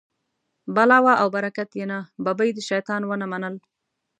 بلا وه او برکت یې نه، ببۍ د شیطان و نه منل.